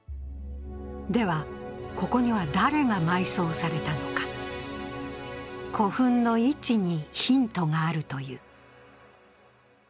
では、ここには誰が埋葬されたのか古墳の位置にヒントがあるという。